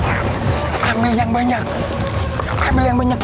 ambil yang banyak ambil yang banyak